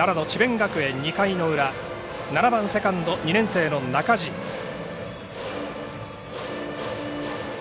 学園２回の裏７番セカンド２年生の中陳。